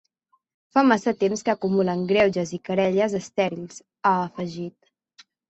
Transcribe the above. Fa massa temps que acumulem greuges i querelles estèrils, ha afegit.